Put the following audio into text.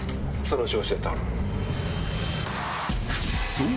そう！